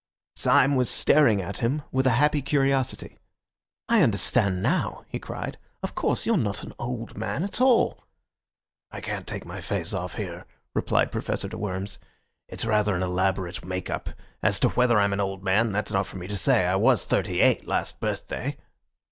Syme was staring at him with a happy curiosity. "I understand now," he cried; "of course, you're not an old man at all." "I can't take my face off here," replied Professor de Worms. "It's rather an elaborate make up. As to whether I'm an old man, that's not for me to say. I was thirty eight last birthday."